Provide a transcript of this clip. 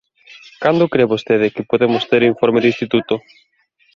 Cando cre vostede que podemos ter o informe do instituto?